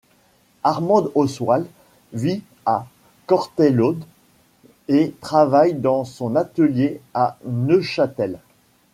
Armande Oswald vit à Cortaillod et travaille dans son atelier à Neuchâtel.